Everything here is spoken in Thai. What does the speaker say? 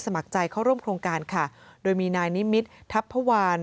สมัครใจเข้าร่วมโครงการค่ะโดยมีนายนิมิตรทัพพวาน